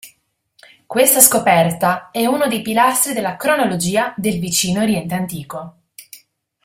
Questa scoperta è uno dei pilastri della cronologia del Vicino Oriente Antico.